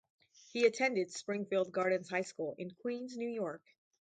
He attended Springfield Gardens High School in Queens, New York.